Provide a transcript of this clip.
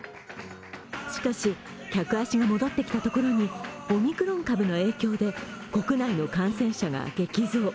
しかし客足が戻ってきたところにオミクロン株の影響で国内の感染者が激増。